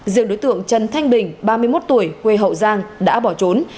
riêng đối tượng trần thanh bình ba mươi một tuổi quê hậu giang đã bỏ trốn